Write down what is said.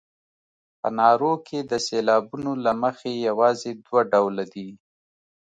په نارو کې د سېلابونو له مخې یوازې دوه ډوله دي.